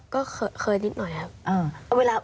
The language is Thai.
ก็เคยนิดหน่อยครับ